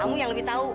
kamu yang lebih tahu